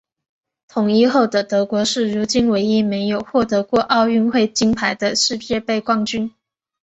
统一后的德国是如今唯一没有获得过奥运会金牌的世界杯冠军。